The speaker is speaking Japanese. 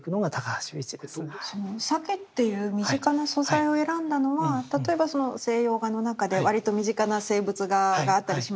鮭っていう身近な素材を選んだのは例えばその西洋画の中で割と身近な静物画があったりしますよね。